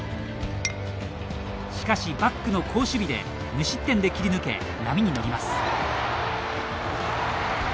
しかし、バックの好守備で無失点で切り抜け、波に乗ります。